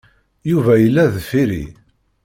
Yuba yella deffir-i.